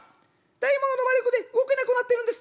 「大魔王の魔力で動けなくなっているんです」。